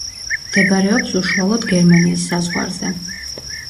მდებარეობს უშუალოდ გერმანიის საზღვარზე.